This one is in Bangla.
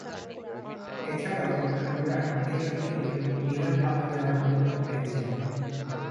এছাড়াও সম্রাট এই অঞ্চলে হীরা পাওয়া যাওয়ার তথ্যও পেয়েছিলেন।